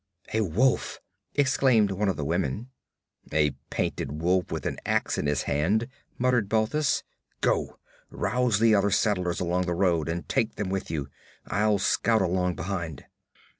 'A wolf!' exclaimed one of the women. 'A painted wolf with an ax in his hand,' muttered Balthus. 'Go! Rouse the other settlers along the road and take them with you. I'll scout along behind.'